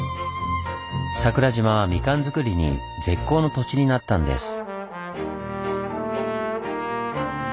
桜島はみかん作りに絶好の土地になったんです。